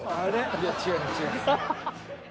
いや違います